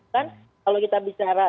kan kalau kita bicara